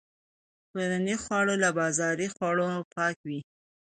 کورني خواړه له بازاري خوړو پاک وي.